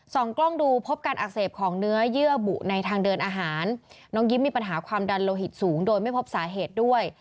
กล้องดูพบการอักเสบของเนื้อเยื่อบุในทางเดินอาหารน้องยิ้มมีปัญหาความดันโลหิตสูงโดยไม่พบสาเหตุด้วย